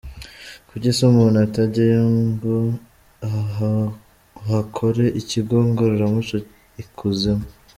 kuki se umuntu atajyayo ngo uhakore ikigo ngoramuco ikuzimu.